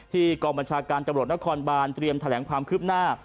กองบัญชาการตำรวจนครบานเตรียมแถลงความคืบหน้า